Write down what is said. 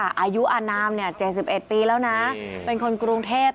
อายุอนาม๗๑ปีแล้วนะเป็นคนกรุงเทพ